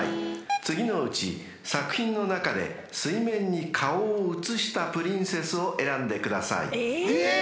［次のうち作品の中で水面に顔を映したプリンセスを選んでください］え？